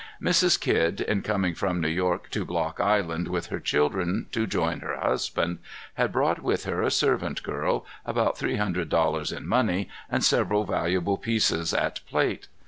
Mrs. Kidd, in coming from New York to Block Island with her children to join her husband, had brought with her a servant girl, about three hundred dollars in money, and several valuable pieces of plate.